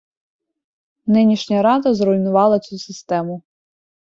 Нинішня рада зруйнувала цю систему.